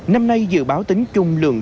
năm nay dự báo tính chung lượng